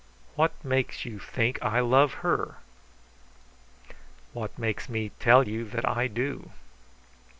"What makes you think I love her?" "What makes me tell you that I do?"